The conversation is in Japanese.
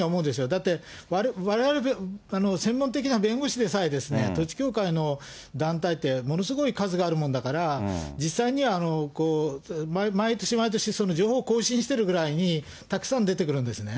だってわれわれ専門的な弁護士でさえ、統一教会の団体ってものすごい数があるもんだから、実際には毎年毎年、その情報を更新してるぐらいにたくさん出てくるんですね。